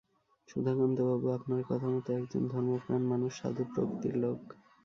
সুধাকান্তবাবু আপনার কথামতো একজন ধর্মপ্রাণ মানুষ, সাধু-প্রকৃতির লোক।